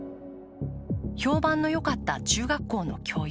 評判のよかった中学校の教諭。